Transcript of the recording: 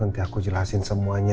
nanti aku jelasin semuanya